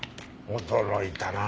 驚いたな。